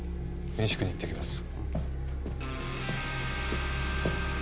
民宿に行ってきます